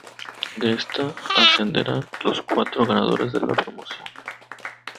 De esta, ascenderán los cuatro ganadores de la promoción.